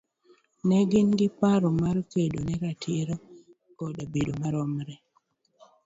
ne gin gi paro mar kedo ne ratiro koda bedo maromre